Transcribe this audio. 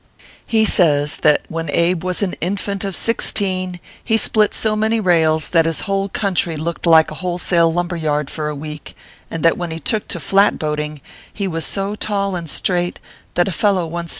He says, that when Abe was an infant of sixteen, he split so many rails that his whole county looked like a wholesale lumber yard for a week ; and that when he took to flat boating, he was so tall and straight, that a fellow once took ORPHEUS C.